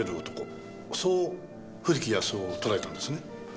そう古木保男を捉えたんですね。